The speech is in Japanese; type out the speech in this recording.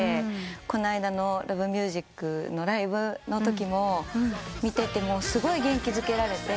この間の『Ｌｏｖｅｍｕｓｉｃ』のライブのときも見ててすごい元気づけられて。